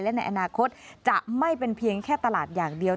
และในอนาคตจะไม่เป็นเพียงแค่ตลาดอย่างเดียว